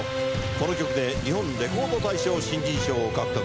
この曲で日本レコード大賞・新人賞を獲得。